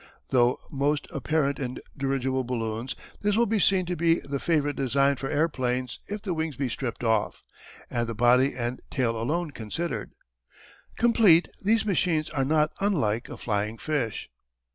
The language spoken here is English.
Though most apparent in dirigible balloons, this will be seen to be the favourite design for airplanes if the wings be stripped off, and the body and tail alone considered. Complete, these machines are not unlike a flying fish.